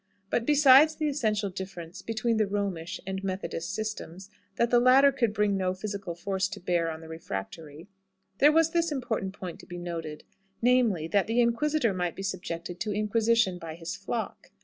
But besides the essential difference between the Romish and Methodist systems that the latter could bring no physical force to bear on the refractory, there was this important point to be noted: namely, that the inquisitor might be subjected to inquisition by his flock.